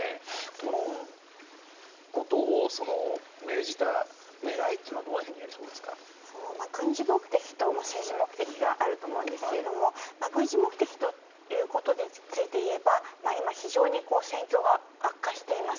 このことを命じた狙いというのは軍事目的と政治目的があると思うんですけれども軍事目的ということについて言えば今、非常に戦況が悪化しています。